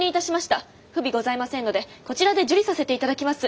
不備ございませんのでこちらで受理させて頂きます。